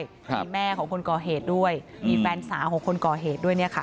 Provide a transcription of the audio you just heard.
มีแม่ของคนก่อเหตุด้วยมีแฟนสาวของคนก่อเหตุด้วยเนี่ยค่ะ